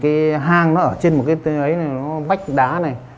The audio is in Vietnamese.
tại vì cái hang nó ở trên một cái tên ấy này nó bách đá này